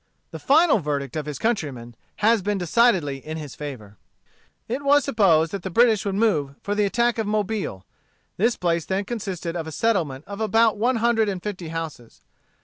The final verdict of his countrymen has been decidedly in his favor. It was supposed that the British would move for the attack of Mobile. This place then consisted of a settlement of but about one hundred and fifty houses.